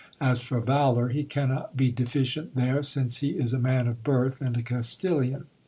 As for valour, he cannot be c eficient there, since he is a man of birth and a Castilian.